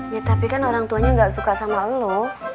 ya tapi kan orang tuanya nggak suka sama lo